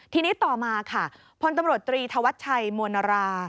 ทีนี้ต่อมาค่ะพลตำรวจตรีธวัชชัยมวลรา